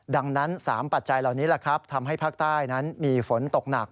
ดังนั้น๓ปัจจัยเหล่านี้ทำให้ภาคใต้นั้นมีฝนตกหนัก